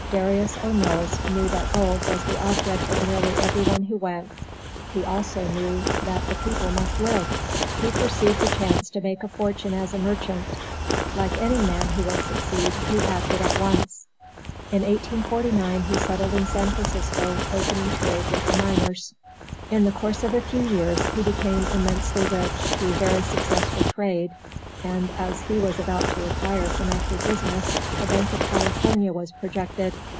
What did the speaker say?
Darius O. Mills knew that gold was the object of nearly every one who went; he also knew that the people must live; he perceived the chance to make a fortune as a merchant. Like any man who will succeed, he acted at once. In 1849 he settled in San Francisco, opening trade with the miners. In the course of a few years he became immensely rich through very successful trade and, as he was about to retire from active business, the Bank of California was projected.